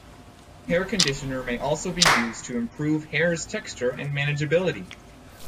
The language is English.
Hair conditioner may also be used to improve hair's texture and manageability.